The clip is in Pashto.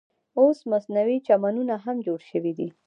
اوس مصنوعي چمنونه هم جوړ شوي دي.